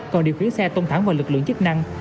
còn điều khiển xe tông thẳng vào lực lượng chức năng